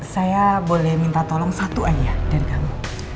saya boleh minta tolong satu aja dari kamu